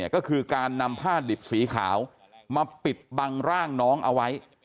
ก็คือการนำผ้าดิบสีขาวมาปิดบังร่างน้องเอาไว้